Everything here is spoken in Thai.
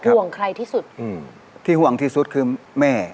ห่วงใครที่สุดที่ห่วงที่สุดคือแม่